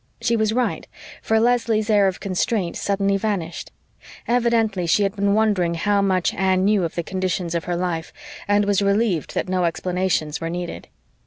She was right, for Leslie's air of constraint suddenly vanished. Evidently she had been wondering how much Anne knew of the conditions of her life and was relieved that no explanations were needed.